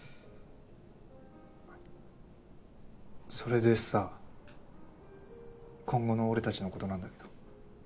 それでさ今後の俺たちのことなんだけど。